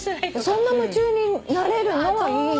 そんな夢中になれるのはいい。